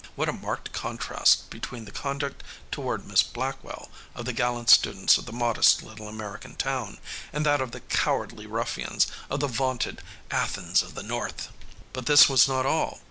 What a marked contrast between the conduct toward Miss Blackwell of the gallant students of the modest little American town and that of the cowardly ruffians of the vaunted "Athens of the North!" But this was not all.